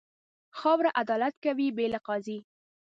خاوره عدالت کوي، بې له قاضي.